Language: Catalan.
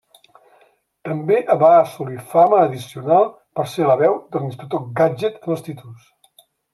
També va assolir fama addicional per ser la veu de l'Inspector Gadget en els títols.